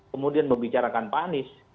kemudian membicarakan pak anies